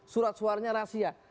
surat suaranya rahasia